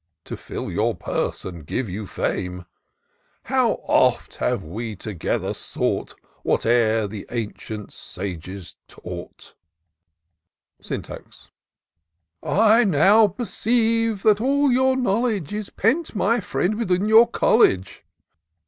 To fill your purse and give you fame. IN SEARCH OF THE PICTURESQUE. 51 How oft have we together sought Whate'er the ancient sages taught !" Syntax. " I now perceive that all your knowledge Is pent, my £riend, within your college